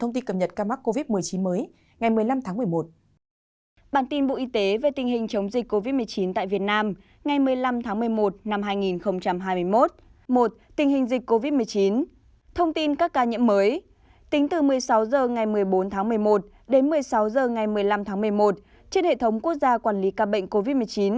tính từ một mươi sáu h ngày một mươi bốn tháng một mươi một đến một mươi sáu h ngày một mươi năm tháng một mươi một trên hệ thống quốc gia quản lý ca bệnh covid một mươi chín